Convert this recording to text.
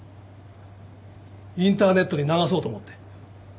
インターネットに流そうと思って。